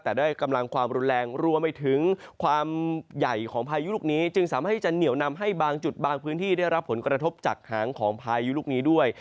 แต่ได้กำลังความรุนแรงรวมไปถึงความใหญ่ของพายุลูกนี้จึงสามารถที่จะเหนียวนำให้บางจุดบางพื้นที่ได้รับผลกระทบจากหางของพายุลูกนี้ด้วย